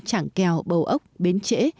chảng kèo bầu ốc bến trễ